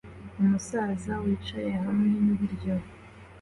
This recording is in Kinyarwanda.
Umusaza wicaye hamwe nibiryo